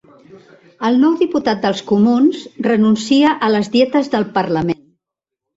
El nou diputat dels comuns renuncia a les dietes del parlament